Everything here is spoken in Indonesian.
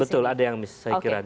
betul ada yang miss saya kira di sini